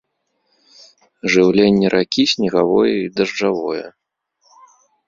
Жыўленне ракі снегавое і дажджавое.